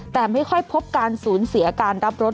แต่ไม่ค่อยพบการสูญเสียการรับรถ